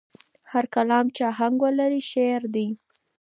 هر کلام چې آهنګ ولري، شعر دی.